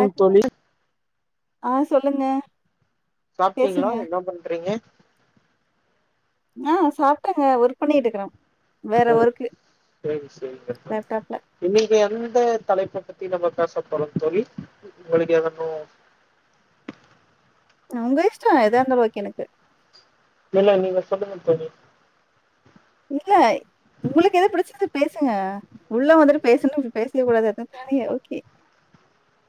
உ தோழி ஆஹ் சொல்லுங்க சாப்பிட்டீங்களா பேசுங்க என்ன பண்றீங்க ஆஹ் சாப்பிட்டேங்க ஒர்க் பண்ணிட்டு இருக்கறேன் ஓ சரி சரிங்க சொ லேப்டாப்ல இன்னைக்கு எந்த தலைப்ப த்தி நம்ம பேச பொரோ தோழி உங்களுக்கு ஏதாது அ உங்க இஷ்டம் ஏதா இருந்தாலும் ஓகே எனக்கு இல்லலே நீங்க சொல்லுங்க தோழி இல்ல உங்களுக்கு எது பிடிச்சது பேசுங்க உள்ள வந்துட்டு பேசணும் இத பேசவே கூடாது தான ஓகே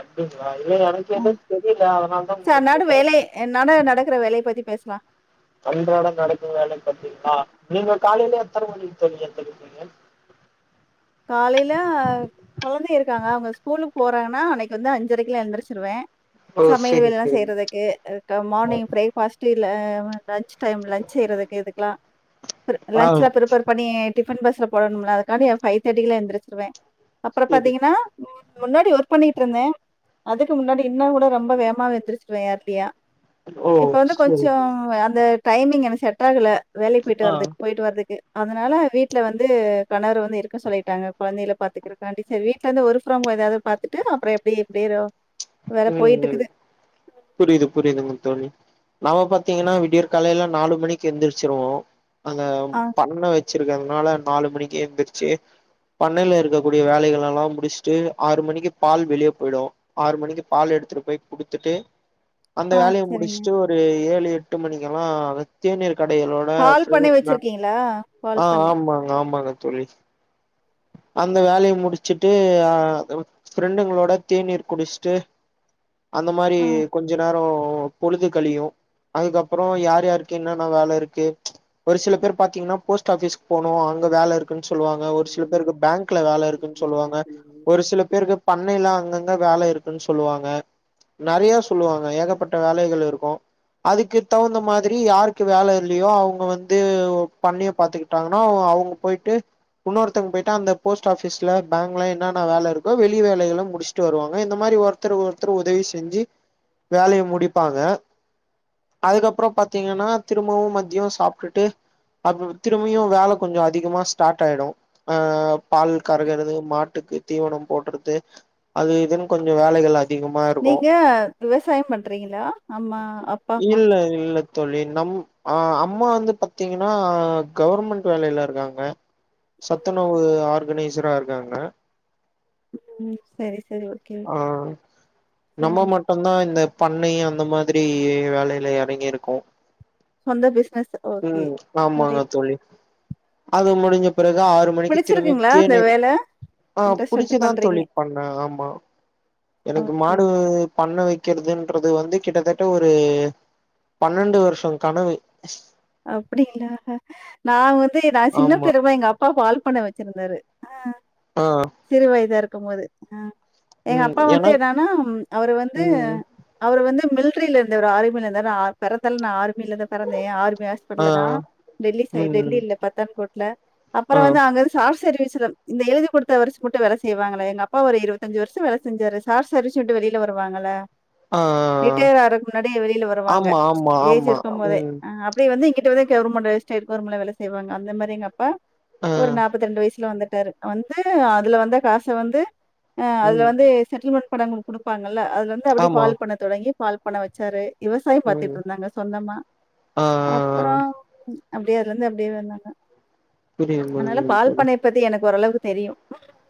அப்படிங்களா இல்ல எனக்கு ஆ ஏது தெரியல அதனால தான் சரி உங்கள அன்னாட கேட்டேன் வா அன்றாடம் நடக்கும் வேலை பத்தீங்களா நீங்க காலில எத்தர மணி தோழி எந்திருப்பிங்க காலையில குழந்தை இருக்காங்க அவங்க ஸ்கூலுக்கு போறாங்கன்னா அன்னைக்கு வந்து அஞ்சரைக்குல எழுந்திரச்சிருவேன் ஓ சமையல் சேரி வேலையெல்லாம் சேரி செய்றதுக்கு மார்னிங் பிரேக்பாஸ்ட் ல லன்ச் டைம் லன்ச் செய்யறதுக்கு இதுக்கெல்லாம் ஆ லன்ச்லா பிரிப்பர் பண்ணி டிபன் பாஸ்ல போடனும்ல அதுக்காண்டி பை தேட்டிகல எந்திரச்சிருவேன் அப்புறம் சேரி பாத்தீங்கன்னா முன்னாடி ஒர்க் பண்ணிட்டு இருந்தேன் அதுக்கு முன்னாடி இன்னும் கூட ரொம்ப வேமாவை யந்த்திருச்சுிருவேன் யார்லிய ஓ இப்ப வந்து சேரி கொஞ்சம் அந்த டைமிங் எனக்கு செட் ஆகல வேலைக்கு போயிட்டு ஆ வறதுக்கு போயிட்டு வறதுக்கு அதனால வீட்டுல வந்து கணவர் வந்து இருக் கசொல்லிட்டாங்க குழந்தைல பாத்துருக்காண்டி சரி வீட்டுல இருந்து ஒர்க்பர்ம் ஹோம் ஏதாவது பாத்துட்டு அப்புறம் எப்டி எப்டி உம் உம் புரியது புரியதுங்க தோழி நாம பாத்தீங்கன்னா விடியர் காலையில நாலு மணிக்கு எந்திருச்சிருவோம் அங்க ஆ, பண்ணை வச்சு இருக்கிறதுனால நாலு மணிக்கு எந்திருச்சு பண்ணையில இருக்கக்கூடிய வேலைகள் எல்லாம் முடிச்சுட்டு ஆறு மணிக்கு பால் வெளியே போயிடும் ஆறு மணிக்கு பால் எடுத்துட்டு போய் குடுத்துட்டு அந்த ஆ சரிங்க. வேலையமுடிச்சுட்டு ஒரு ஏழு எட் டுமணிக்கெல்லாம் வெத்திய [unintelligible] கடைகளோட பால் பண்ணை வச்சிருக்கீங்களா? பால் ஆஹ் பண்ணை. ஆமாங்க ஆமாங்க தோழி அந்த வேலையை முடிச்சுட்டு அஹ் ஃப்ரெண்ட்ங்களோட தேநீர் குடிச்சுட்டு அந்த மாரி கொஞ்ச நேரோ பொழுது கலியும் அதுக்கப்புறம் யார் யாருக்கு என்னன்ன வேலை இருக்கு ஒரு சில பேர் பாத்தீங்கன்னா போஸ்ட் ஆபிஸ் போனும் அங்க வேலை இருக்குன்னு சொல்லுவாங்க ஒரு சில பேருக்கு பேங்க்ல வேலை இருக்குன்னு சொல்லுவாங்க ஆ. ஒரு சில பேருக்கு பண்ணைல அங்கங்க வேலை இருக்கு னுசொல்லுவாங்க நரைய சொல்லுவாங்க ஏகப்பட்ட வேலைகள் இருக்கும் அதுக்கு தகுந்த மாதிரி யாருக்கு வேலை இல்லையோ அவங்க வந்து பண்ணைய பாத்துக்கிட்டாங்கன்னா போய்ட்டு இன்னொருத்தங்க போய்ட்டு அந்த் போஸ்ட் ஆபிஸ் பேங்லஎன்னன்ன வேலை இருக்க வெளி வேலைக முடிச்சுட்டு வருவாங்க இந்த மாரி ஒருத்தர் ஒருத்தர் உதவி செஞ்சு வேலையை முடிப்பாங்க அதுக்கப்பறம் பார்த்தீங்கன்னா திரும்பவும் மத்தியம் சாப்பிட்டுட்டு அ திரும்பியும் வேலை கொஞ்சம் அதிகமா ஸ்டார்ட் ஆயிடும் அஹ் பால் கருகறது மாட்டுக்கு தீவனம் போடுறது அதுஇதுன்னு கொஞ்சம் வேலைகள் அதிகமா இருக்கு நீங்க விவசாயம் பண்றீங்களா அம்மா அப் இல்ல இல்ல தோழி நம் அஹ் அம்மா வந்து பாத்தீங்கன்னா கவர்மெண்ட் வேலையில இருக்காங்க சத்துணவு ஆர்கனைசரா இருக்காங்க உம் சரி சரி. ஓகே. ஆஹ் நம்ம சரிங்க. மட்டும்தான் இந்த பண்ணை அந்த மாதிரி வேலையில எறங்கிருக்கோம் சொந்த பிசினஸ். ஓகே. உம் ஆமாங்க தோழி அது முடிஞ்சு பிறகு ஆறு மணிக்கு திரும்பி பிடிச்சிருக்குங்களா அந்த தேனீர் வேல? ஆஹ் இன்ட்ரெஸ்ட் எடுத்து புடிச்சதான் பண்றீங்க. தோழி பண்றன் ஆமா எனக்கு ஓகே. மாடு பண்ணை வைக்கிறதுன்றது வந்து கிட்டத்தட்ட ஒரு பண்ணெண்டு வருஷோ கனவு அப்படிங்களா நா வந்து நா சின்ன ஆமா [unintelligible] எங்க அப் பா பால் பண்ண வச்சிருந்தாரு ஆ ஆ சிரு வைதா இருக்கும்போது ஆ எங்க ம் அப்பா வந்து எனக் என்னன்னா அவரு வந்து ம் அவரு வந்து மிலிட்டிரில இருந்தவரு ஆர்மில இருந்தாரு நா பெறந்தால் நா ஆர்மியில தா பெறந்தே ஆ வேஸ்பட்டல தா டெல்லி சைடு டெல்லி ம் இல்ல பத்தான்கோட் ல அப்புறோ ஆ வந்து அங்கருந்து சாஸ் சர்வீஸ்ல இந்த எழுதி கொடுத்த வருஷோ மட்டு வேல செய்வாங்கள எங்கப்பா ஒரு இருவத்தஞ்சு வருஷோ வேல செஞ்சாரு கார் சர்வீஸ் விட்டு வெளியில வருவாங்களா. ஆ ரிட்டயர் ஆறதுக்கு முன்னாடியே வெளியில வருவாங்க ஆமா ஆமா ஏஜ் ஆமா இருக்கு போதே ம் ஆ வந்து இங்கிட்ட வ கவர்மென்ட் வேல [unintelligible] செய்வாங்க அந்த மாரி எங்கப்பா ஆ ஒரு நாப்பத்தி ரெண்டு வயசுல வந்துட் டாரு வந்து அதுல வந்த காச வந்து ஆ அதுல ம் வந்து செட்டில்மெண்ட் பணம்னு ஒன்னு குடுப்பாங்க இல்ல அதுல இருந்து அப்படி ஆமா பால் பண்ண தொடங்கி பால் பண்ண வச்சாரு விவசாய ம் பாத்துட்டு இருந்தாங்க சொந்தமா ஆ அப்புறோ அப்படியே இருந்து அப்படியே வந்தாங்க புரியுது அதனால புரியுது பால் தோழி பண்ணைய பத்தி எனக்கு ஓரளவுக்கு தெரியு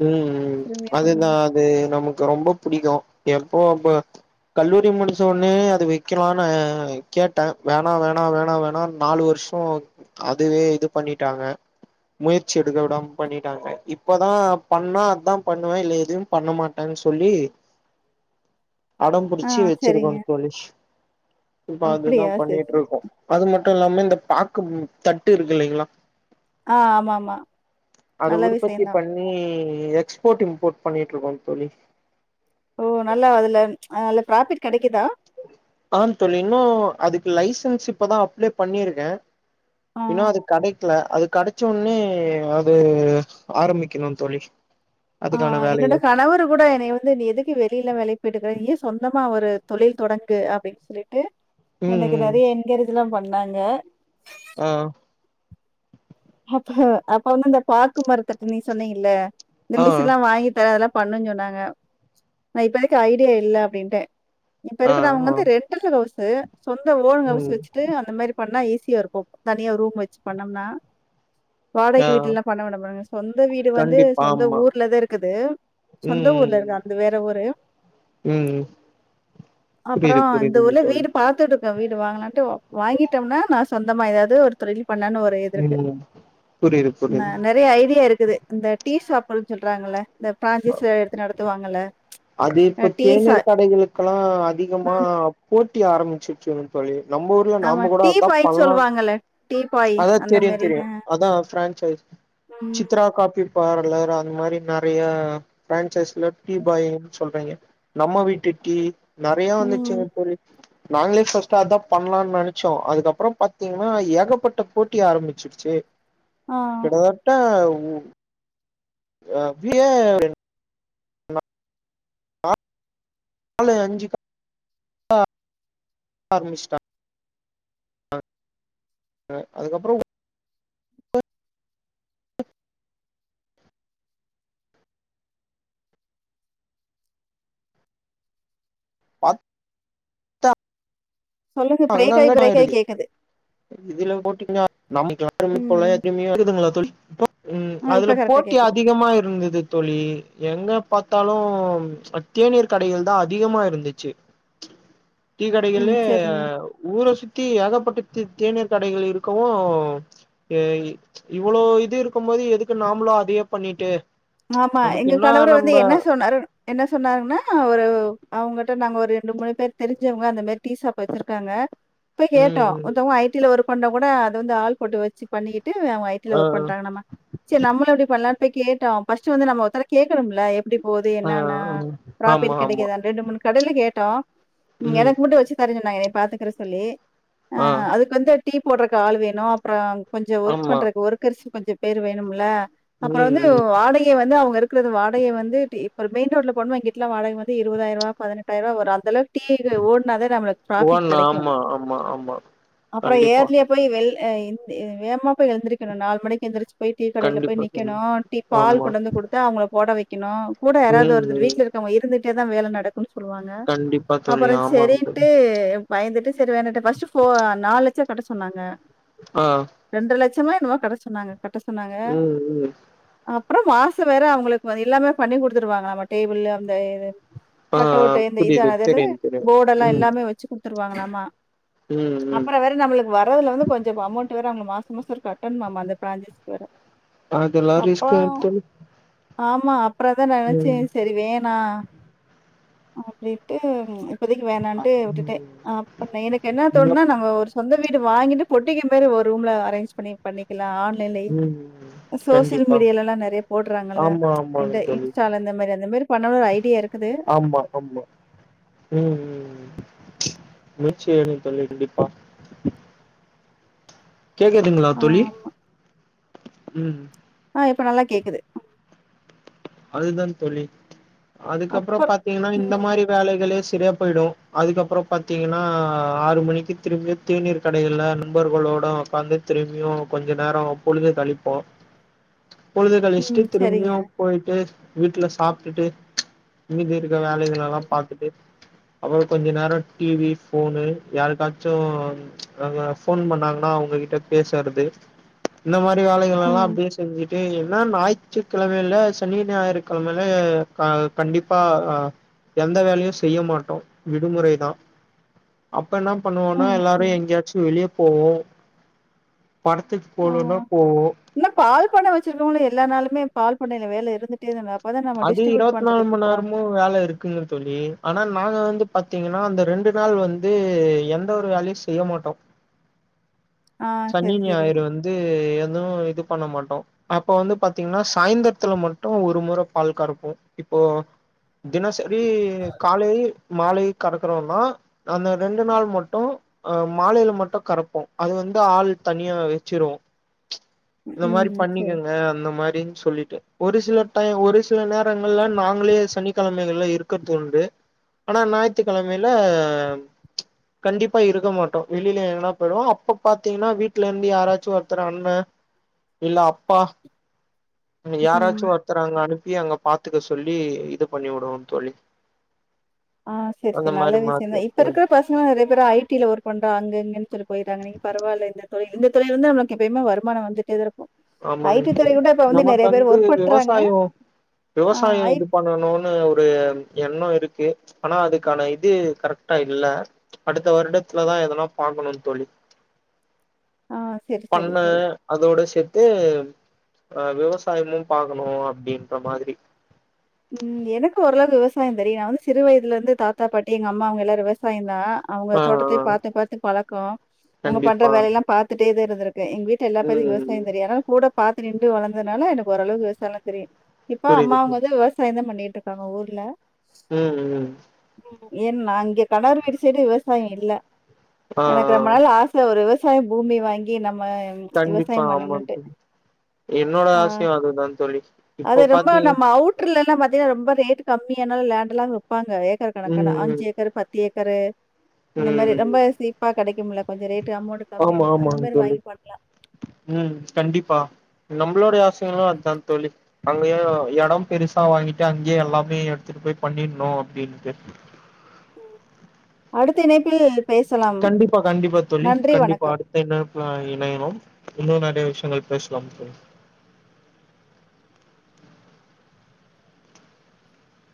ம் ம் அதுதா அது நமக்கு ரொம்ப புடிக்கு எப்போ அப்போ கல்லூரி முடிச்ச உடனே அது வைக்கலானு கேட்டே வேணா வேணா வேணா வேணா நாலு வருஷோ அதுவே இது பண்ணிட்டாங்க முயற்சி எடுக்க விடாம பண்ணிட்டாங்க இப்பதா பண்ணா அதா பண்ணுவே இல்ல எதுவு பண்ண மாட்டேன் சொல்லி அடம் ஆ பிடிச்சி வச்சிருக்கோ சரிங்க. தோழி இப்ப அதெல்லா அப்படியா? சரி, பண்ணிட்டு சரி. இருக்கோ அது மட் மட்டு இல்லாம இந்த பாக்கு தட்டு இருக்கு இல்லைங்களா ஆ ஆமா ஆமா அது நல்ல உற்பத்தி விஷியந்தா பண்ணி எக்ஸ்போர்ட் இம்போட் பண்ணிட்டு இருக்கோ தோழி ஓ நல்லா அதுல நல்ல ப்ராபிட் கெடைக்குதா ஆ தோழி இன்னு அதுக்கு லைசன்ஸ் இப்பதா அப்ளை பண்ணிருக்கே ஆ. இன்னு அது கடை ல அது கிடைச்சோடனே அது ஆரம்பிக்கணு தோழி அதுக்கான ஆஹ் என்னோட வேலைகள் கணவரு கூட என்னைய வந்து நீ எதுக்கு வெளியில வேலைக்கு போயிட்டுக்கிறே ஏ சொந்தமா ஒரு தொழில் தொடங்கு அப்டின்னு சொல்லிட்டு ம் எனக்கு நெறைய என்கரேஜெல்லா ப பண்ணாங்க ஆஹ் அப்ப அப்ப வந்து இந்த பாக்கு மரத்தட்டு நீ சொன்னீங்கல்ல இந்த ஆ மிஷின்ல வாங்கி தேவல்லாம பண்ணுச் சொன்னாங்க நா இப்பதைக்கு ஐடியா இல்ல அப்டின்டே இப்ப ஆ இருக்கிற அவங்க ஆ வந்து ரெண்டல் ஹவுஸ் து சொந்த ஓன் ஹவுஸ் ம் வச்சுட்டு அந்த மாரி பண்ணா ஈஸ் ஸியா இருக்கு தனியா ரூம் வச்சு பண்ணம்னா ஆ வாடகை வீட்லயில பண்ண விடமாட்டங்க சொந்த வீடு வந்து கண்டிப்பா சொந்த ஆமா ஊர்லதா இருக்குது சொந்த ம் ஊர்ல ம் இருக்கு அந்த வேற ஊரு ம் ம் அப்புறோ புரியுது இந்த புரியுதுங்க ஊர்ல தோழி வீடு பாத்துட்டு வீடு வாங்லாண்டு வாங்கிட்டோம்னா நா சொந்தமா ஏதாது ஒரு தொழில் பண்ணலான்னு ஒரு இது இருக்கு ம் புரியுது ந புரியுது நெறைய ஐடியா இருக் க்குது இந்த டீ ஷாப்ல்லு சொல்றாங்கள இந்த ஃபிரான்சைஸ் எடுத்து நடத் த்து வாங்கல அது இப்ப தேநீர் கடைகளுக்கெல்லா அதிகமா ம் போட் ட்டி ஆரம்பிச்சிருச்சுங்க தோழி நம்ம ஊருல ஆமா நாம கூட டீ அதா பாய்ன்னு பண்ணலா சொல்லுவாங்கல்ல டீ பாய் அதா அந்த தெரியு மாரி தெரியு அ அதா ஃபிரான்சைஸ் ம் சித்ரா காஃபி பார்லர் அந்த மாரி நெறைய ஃபிரான்சைஸ்ல டீ பாய் சொல்றீங்க நம்ம வீட்டு டீ நறைய வந்துச்சுங்க ம். தோழி நாங்களே ஃபர்ஸ்ட் அதா பண்ணலானு நெனைச்சோ அதுக்கப்புறோ பாத்தீங்கன்னா ஏகப்பட்ட போட்டி ஆரம்பிச்சிருச்சு ஆ கிட்டதட்ட உ [unintelligible] [inaudible] ஆர்மிஷ்டா அ அதுக்கப்ரோ பாத் சொல்லுங்க பிரேக் ஆயி அங்கங்க பிரேக் ஆயி நாயிடுது கேக்குது இதுல போட்டீங்னா நம்ளுக்கு யாருமே தொல்லயா ம் எப்பியுமே கேக்குதுங்களா தோழி வந்து போ ம் ஆ அதுல இப்ப கரெக்டா போட்டி கேக்குது அதிகமா இருந்தது தோழி எங்க பாத்தாலு அத்தேனீர் கடைகள் தா அதிகமா இருந்துச்சி டீ ம் கடைகள்லே அ சரிங்க ஊரை சுத்தி ஏகப்பட்ட தே தேநீர் கடைகள் இருக்கவு இவ்ளோ இது இருக்கு போது எதுக்கு நாமளு அதையே பண்ணிட்டு ஆமா நமக்கு எங்க என்னா கணவரு வந்து நம்ப என்ன சொன்னாரு என்ன சொன்னாருன்னா ஒரு அவ்ங்கட் நாங்க ஒரு ரெண்டு மூணு பேர் தெரிஞ்சவங்க அந்த மாறி டீ சாப் வச்சிருக்காங்க இப்ப கேட்டோ ம் ம் ஒருத்தவங்க ஐ டி ல ஒருப் பண்ண கூட அதுவந்து ஆள் போட்டு வச்சி பண்ணி ட்டு அவங்க ஐத்தில ஆ ஒர்க் பண்றாங்க நம்ம சேரி நம்ம இப்டி பண்ணலான் இப்ப கேட்டாப் ஃபஸ்ட் வந்து நம்ம ஒருத்தர கேகணும்ல எப்டிப் போது ஆ என்னன்னா ஆ, ம். ஆமா ப்ராபிட் ஆமா கிடைக்காது அன் ரெண்டு மூணு கடைலே கேட் டா உம் ம் எனக்கு கூட்டு வச்சி தருகிள் நா என்னைய பாத்துக்கிற சொல்லி ஆ அதுக்கு வந்துட் டீ போடுறக்கு ஆளு வேணு அப்ரோங் கொஞ்ச ஒர்க் ஆமா பண்றக்கு ஒர்க் அரிசி கொஞ்சம் பேரு வேனும்ல அப்ரோ ம் வந்து ஒ ம் ஆடை அந்து அவங்க இருக்கிறது வாடகை வந்து டீப் ஒரு மெயின் ரோட்ல பொன்னுவாங்கிட்லா வாட வந்து இருவதாயிர ரூபா பதினெட்டு ஆயருபா வரு அந்தளவு ஓடுனாதா நம்ம ஃப்ராபிட் ஒவ்வொன்னு கிடைக்கு ஆமா ஆமா ஆமா அப்ரோ கண்டிப்பா ஏர்லியா போய் வெல் ஹ ந்து வேகமா போ எழுந்திரக்கணுனா நாலு மணிக்கு எந்திரிச் போய் டீ கடேல போய் கண்டிப்பா தோழி நிக்கனு டீ பால் ஆமா இந்த கொடுத்தா அவங்கள போடவை கின்னோ கூட யாராவது ம் ஒர்தறு ம் வீட்ல இருக்குபோய் இருந்து இங்கதா வேல நடக் சொல்லுவாங்க கண்டிப்பா தோழி அப்புறோ ஆமாங்க தோழி செரின்னுட்டு பயந்துட்டு சரி வேணாட்டு ஃப்ர்ஸ்ட் ஃபோ நாலு ச்ச கட்ட சொன்னாங்க ஆஹ் திரும்பவு என்னமோ கத சொன்னாங்க கட்ட சொன்னாங்க ம் அப் அப்பறோ மாச வேற அவங்களுக்கு வந் எல்லாமே பண்ணி குடுத்துருவாங்களாமா டேபிளு அந்த இது ஆ பட்டை ஓட்டு இந்த புரியுது இதுனது அது என்னது தெரியும் தெரியும் போர்டல்லா ம் எல்லாமே வச்சு குடு த்துருவாங்களாமா ம் ம் அப்புறோ வேற நம்மளுக்கு வரதுல வந்து கொஞ்சு அமௌண்ட் வேற அவங்களுக்கு மாசோ ம்ம சார் கட்டணும்மாமா அந்த பிராஞ்சஸ்க்கு வேற அதெல்லா ரிஸ்க் எ அப்புறம் தோளி ஆமா அப்புறதா நெனைச்சே செரி வேணா அப்டிண்டு இப்போதைக்கு வேணான்டு விட்டுட்டே ம் அப்ப எனக்கு என்ன தோணுனா ம் நாங்க ஒரு சொந்த புது வீடு வாங்கிட்டு பொட்டிக்கு மாரி ஒரு ரூம்ல அரேஞ்ச் பண்ணி பண்ணிக்கல லா ஆன்லைன்லயே ம் சோசியல் கண்டிப்பா மீடியாலல்லா நெறைய ட்றாங்கல்ல ஆமா ஆமாங்க இந்த தோழி இன்ஸ்டால இந்த மாரி அந்த மாரி பண்ணனுன்னு ஒரு ஐடியா இருக்குது ஆமா ஆமா ம் ம் முயற்சி எடுங்க தோழி கண்டிப்பா கேக்குதுங்களா ஆ தோழி ஆமா. உம் ஆ இப்ப நல்லா கேக்குது அதுதான் தோழி அதுக்கப்புறோ அப்புறம் பாத்தீங்கன்னா இந்த ம், மாரி வேலைகளே செ சரியா போயிடு அதுக்கப்புறோ பாத்தீங்கன்னா ஆறு மணிக்கு திரும்பியு தேநீர் கடைகள்ல நண்பர்களோட உக்காந்து திரும்பியு கொஞ்சு நேரோ பொழுது களிப்போ பொழுது ம். களிச்சிட்டு திரும்பியு சரிங்க. போயிட் டு வீட்டுல சாப்ட்டுட்டு மீதி இருக்க வேலைகள் எல்லா பாத்துட்டு அப்புறோ கொஞ்சு நேரோ டிவி ஃபோனு யாருக்காச்சு அங்க ஃபோன் பண்ணாங்கன்னா அவங்ககிட்ட பேசறது இந்த மாரி வேலைகள் எல்லா ம், அப்டியே செஞ்சு டே என்ன ஞாயிற்றுக்கிழமைையில ஸ் சனி ஞாயறுக்கெழமல க கண்டிப்பா அ எந்த வேலையு செய்ய மாட்டோ விடுமுறை தா அப் அப்ப என்ன பண்ணுவோனா ம். எல்லாரு சரி. எங்கயாச்சு வெளியே போவோ படத்துக்கு போலொனா போவோ பண்ண வச்சிருக்கங்கள எல்லா நாளுமே பால் பண்ணையில வேல இருந்துட்டேதா [unintelligible] அது இரவத்தி நாலு மணி நேரமு வேல இருக்குங்க தோலி ஆனா நாங்க வந்து பாத்தீங்கன்னா அந்த ரெண்டு நாள் வந்து எந்த ஒரு வேலயு செய்ய மாட்டோ ஆ சனி சரி சரி ஞாயிறு வந்து எதுவு இது பண்ண மாட்டோ அப்ப வந்து பாத்திங்கன்னா சாய்ந்தருத்தல மட்டு ஒரு முற பால் கறப்போ இப்போ தினசரி தினசரி காலை மாலை கறக்கறோனா அந்த ரெண்டு நாள் மட்டு மாலைல மட்டு கறப்போ அது வந் ஆள் தனியா வச்சிருவோம் இந்த மாறி ம் சரி பண்ணிக்கங்க அந்த மாறி அப்டின்னு சொல்லிட்டு ஒரு சில டைம் ஒரு சில நேரங்கள்ல நாங்களே சனிக்கெழமைகள்ல இருக்கறத் தோணுது ஆனா நாயித்துகெழமைல கண்டிப்பா இருக்க மாட்டோம் வெளில எங்கனா போய்டுவோம் அப்ப பாத்தீங்ன்னா வீட்ல இருந்து யாராச்சு ஒருத்தர் அண்ணன் இல்ல அப்பா அங்க ம் யாராச்சு ஒர்த்தர அங்க அனுப் ப்பி அங்க பாத்துக்க சொல்லி இது பண்ணி வுடுவோ தோழி ஆஹ் சரி அந்த சரி நல்ல மாரி விசயம் மாத்தி தா விட்டு இப்ப இருக்கற பசங்க நிறைய பேரு ஐடில்ல ஒர்க் பண்றாங்க அங்கே இங்கேன்னு சொல் போய்ட்றாங்க நீங்க பரவாயில்ல இந்த தொழில் இந்த தொழில் இருந்து நமக்கு எப்பயுமே வருமானம் வந்துட்டே தான் இருக்கும் ஐ ஆமாங் டி துறை கூட இப்ப நமக்கு நெறைய பேர் வந்து ஒர்க் பண்றாங்க விவசாயம் ஆ விவசாயம் ஐ இது பண்ணணுனு ஒரு எண்ணோ இருக்கு ஆனா அதுக்கான இது கரக்டா இல்ல அடுத்த வருடத்துலதான் எதனா பாக்கணும் தோழி ஆ சரி சரி பண்ணு சரி அதோடே செ து அஹ் விவசாயமும் பாக்கணும் அப்டின்ற மாதிரி உம் எனக்கும் ஓரளவு விவசாயம் தெரியும் சிறு வயதுல இருந்து தாத்தா பாட்டி எங்க அம்மா அவுங்க எல்லாரும் விவசாயதா அவுங்க ஆ தோட்டத்தே ஆ பாத்து பாத்து பழக்கம் அவுங்க பண்ற கண்டிப்பா வேலையெல்லாம் பாத்து [unintelligible] எங் வீட்ல எல்லாபேருக்கும் ம் விவசாயம் தெரியும் யாராவது கூட பாத்து நின்று வளந்ததனால எனக்கு ஓரளவு விவசாயெல்லாம் தெரியும் இப்ப புரியுது புரி அம்மாவங்க என்ன பண்ணிட்டுருக்காங்க ஊர்ல உம் உம் ஓ. ஏன்னா இங்கே கணவர் [unintelligible] சைடு விவசாயம் இல்லே ஆ எனக்கு ஆ ரொம்ப நாள் ஆசை ஒரு விவ விவசாய பூமி வாங்கி நம் கண்டிப்பா ஆமா தோழி என்னோட ஆ ஆசையும் அதுதான் தோழி இப்போ பாத்தீங் லல்லா பாத்தீங்கனா ரொம்ப ரேட் கம்மியான லேண்ட எல்லா ப்பாங்க ஏக்கர் கணக்கா அஞ்சு ம் ம் ஏக்கர் பத்து ஏக் கரு அந்த மாறி ம் ரொம்ப சீப்பா கெடைக்குமல்ல கொஞ்சோ ரேட் ஆமா ஆமாங் தோழி ம் கண்டிப்பா நம் என்னுடைய ஆசையெல்லாம் அதா தோழி அங்கேயே எடம் பெருசா வாங்கிட்டு அங்கேயே எல்லாமே எடுத்துட்டு போய் பண்ணிருனோ அப்டின்ட்டு அடுத்த இணைப்பு கண்டிப்பா கண்டிப்பா தோழி கண்டிப்பா வணக்கம். அடுத்த இணைப்புல இணைவோம் இன்னு நா றிய விஷயங்கள் பேசலாம் தோழி